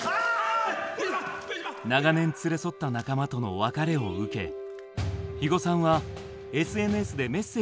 長年連れ添った仲間との別れを受け肥後さんはＳＮＳでメッセージを発信しました。